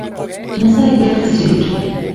Nyasaye ber seche duto